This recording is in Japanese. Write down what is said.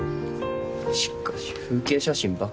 しかし風景写真ばっか。